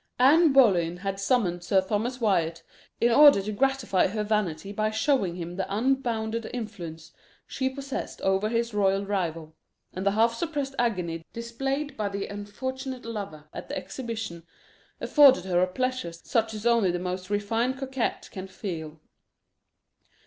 Anne Boleyn had summoned Sir Thomas Wyat, in order to gratify her vanity by showing him the unbounded influence she possessed over his royal rival; and the half suppressed agony displayed by the unfortunate lover at the exhibition afforded her a pleasure such as only the most refined coquette can feel.